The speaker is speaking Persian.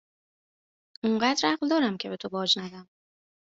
اونقدر عقل دارم که به تو باج ندم